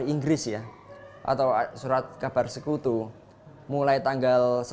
dan juga ketika ketika anak flavors organization berlaku